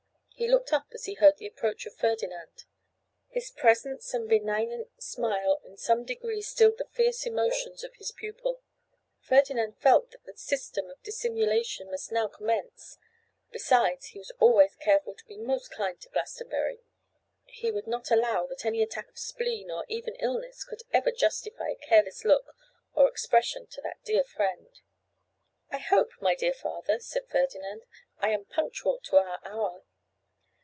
He looked up as he heard the approach of Ferdinand. His presence and benignant smile in some degree stilled the fierce emotions of his pupil. Ferdinand felt that the system of dissimulation must now commence; besides, he was always careful to be most kind to Glastonbury. He would not allow that any attack of spleen, or even illness, could ever justify a careless look or expression to that dear friend. 'I hope, my dear father,' said Ferdinand, 'I am punctual to our hour?